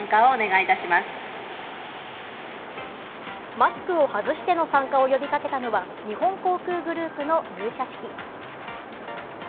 マスクを外しての参加を呼びかけたのは日本航空グループの入社式。